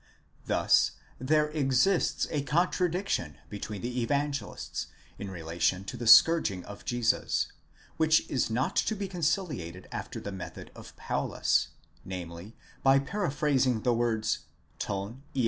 Thus there exists a contradiction between the Evangelists in relation to the scourging of Jesus, which is not to be conciliated after the method of Paulus, namely by para phrasing the words τὸν Ἰ.